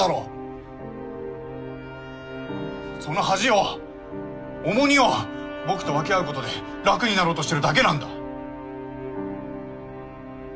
その恥を重荷を僕と分け合うことで楽になろうとしてるだけなんだ！